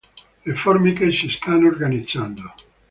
Le formiche si stanno organizzando.